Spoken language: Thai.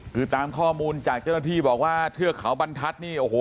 คือตามข้อมูลจากเจ้าหน้าที่บอกว่าเทือกเขาบรรทัศน์นี่โอ้โห